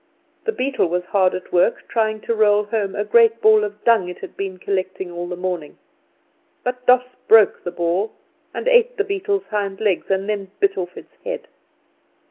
The beetle was hard at work trying to roll home a great ball of dung it had been collecting all the morning: but Doss broke the ball, and ate the beetle's hind legs, and then bit off its head.